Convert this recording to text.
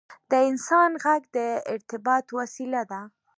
• د انسان ږغ د ارتباط وسیله ده.